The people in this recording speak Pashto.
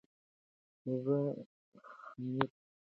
زه خمیر د شپې په یخچال کې ږدم.